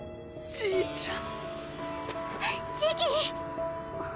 じいちゃん！